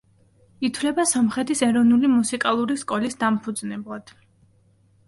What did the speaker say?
ითვლება სომხეთის ეროვნული მუსიკალური სკოლის დამფუძნებლად.